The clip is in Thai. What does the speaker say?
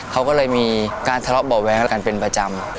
เขาก็เลยมีการทะเลาะเบาะแว้งกันเป็นประจำ